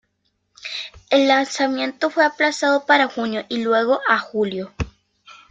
El lanzamiento fue aplazado para junio y luego a julio.